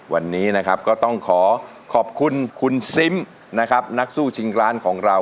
วันนี้นะครับก็ต้องขอขอบคุณคุณซิมนะครับนักสู้ชิงร้านของเรา